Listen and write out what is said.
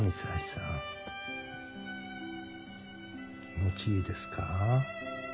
気持ちいいですか？